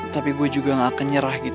tapi gue juga gak akan nyerah gitu